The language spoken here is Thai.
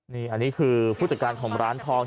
นี่อันนี้คือผู้จัดการของร้านทอง